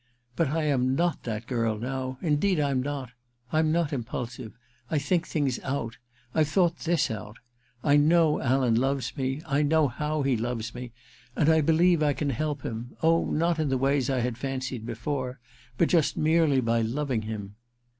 But I am not that girl now ^indeed I'm not. I'm not impulsive — I think things out. I've thought this out. I know AJan loves me ^I know how he loves me — ^and I believe I can help him — oh, not in the ways I had fancied before — but just merely by loving him.'